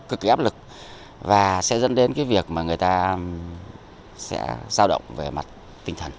cực kỳ áp lực và sẽ dẫn đến cái việc mà người ta sẽ giao động về mặt tinh thần